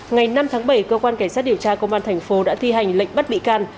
ngày năm tháng bảy cơ quan cảnh sát điều tra công an thành phố đã thi hành lệnh bắt bị can